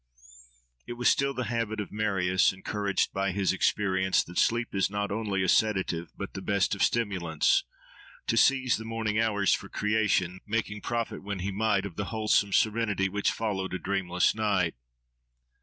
It was still the habit of Marius, encouraged by his experience that sleep is not only a sedative but the best of stimulants, to seize the morning hours for creation, making profit when he might of the wholesome serenity which followed a dreamless night.